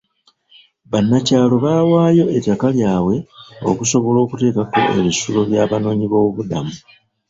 Bannakyalo baawaayo ettaka lyabwe okusobola okuteekako ebisulo by'abanoonyiboobubudamu.